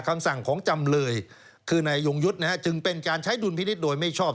คำสั่งของจำเลยคือนายยงยุทธ์นะฮะจึงเป็นการใช้ดุลพินิษฐ์โดยไม่ชอบ